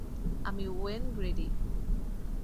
আমি Wayne greedy.